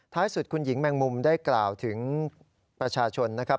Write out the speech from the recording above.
สุดคุณหญิงแมงมุมได้กล่าวถึงประชาชนนะครับ